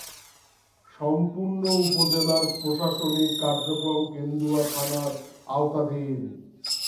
সম্পূর্ণ উপজেলার প্রশাসনিক কার্যক্রম কেন্দুয়া থানার আওতাধীন।